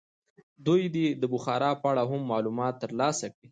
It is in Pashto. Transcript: دوی دې د بخارا په اړه هم معلومات ترلاسه کړي.